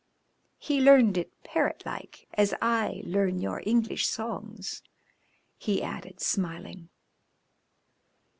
He learned it parrot like, as I learn your English songs," he added, smiling.